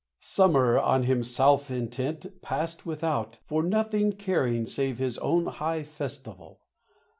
Summer, on himself intent, Passed without, for nothing caring Save his own high festival.